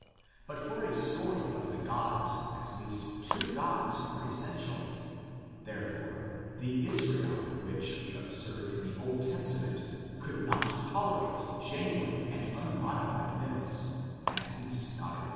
But for a story of the gods at least two gods are essential. Therefore the Israel which we observe in the Old Testament could not tolerate genuine and unmodified myths, at least not in prose.